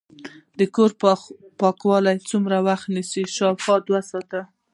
د کور پاکول څومره وخت نیسي؟ شاوخوا دوه ساعته